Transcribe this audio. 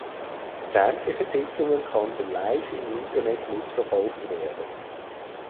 Sämtliche Sitzungen konnten live im Internet mitverfolgt werden.